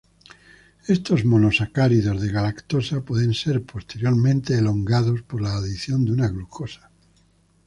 Estos monosacáridos de galactosa pueden ser posteriormente elongados por la adición de una glucosa.